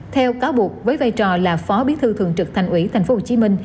theo cáo buộc với vai trò là phó bí thư thường trực thành ủy tp hcm